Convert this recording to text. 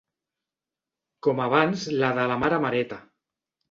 Com abans la de la mare mareta.